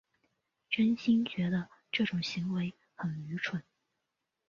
真心觉得这种行为很愚蠢